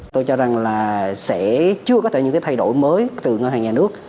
tôi cho rằng là sẽ chưa có thể những cái thay đổi mới từ ngân hàng nhà nước